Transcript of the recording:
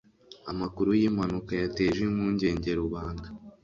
Amakuru yimpanuka yateje impungenge rubanda.